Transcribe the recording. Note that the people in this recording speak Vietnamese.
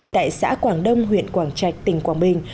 tại xã quảng đông huyện quảng trạch tỉnh quảng bình